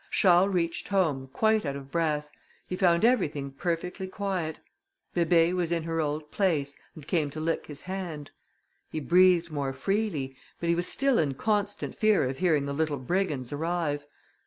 Charles reached home, quite out of breath; he found everything perfectly quiet. Bébé was in her old place, and came to lick his hand; he breathed more freely, but he was still in constant fear of hearing the little brigands arrive.